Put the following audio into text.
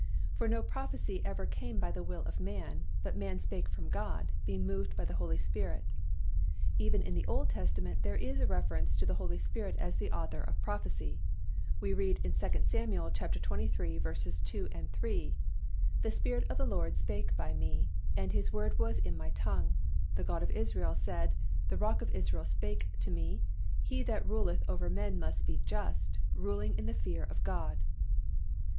"For no prophecy ever came by the will of man: but men spake from God, being moved by the Holy Ghost." Even in the Old Testament, there is a reference to the Holy Spirit as the author of prophecy. We read in 2 Sam. xxiii. 2, 3, "the Spirit of the LORD spake by me, and His word was in my tongue. The God of Israel said, the Rock of Israel spake to me, He that ruleth over men must be just, ruling in the fear of God."